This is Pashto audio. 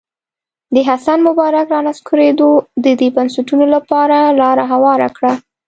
د حسن مبارک رانسکورېدو د دې بنسټونو لپاره لاره هواره کړه.